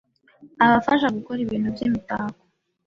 abafasha gukora ibintu by’imitako